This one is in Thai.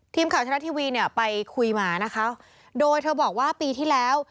ทีมข่าวชาวชาติทีวีเนี่ยไปคุยมานะคะโดยเธอบอกว่าปีที่แล้ว